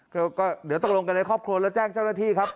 ก็เดี๋ยวตกลงกันในครอบครัวแล้วแจ้งเจ้าหน้าที่ครับ